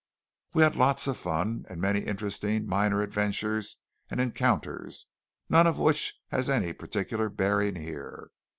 We had lots of fun, and many interesting minor adventures and encounters, none of which has any particular bearing here.